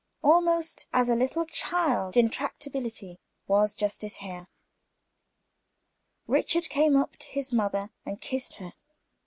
Almost as a little child in tractability, was Justice Hare. Richard came up to his mother, and kissed her.